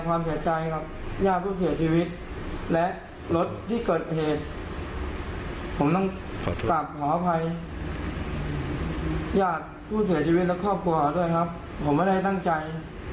ญาติผู้เสียชีวิตและครอบครัวหน่อยผมไม่ได้ตั้งใจ